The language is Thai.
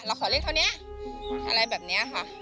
เราขอเรียกเท่านี้อะไรแบบนี้ค่ะ